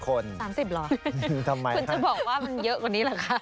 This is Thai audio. คุณจะบอกว่ามันเยอะกว่านี้หรือคะ